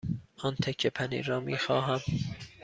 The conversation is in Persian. آن تکه پنیر را می خواهم.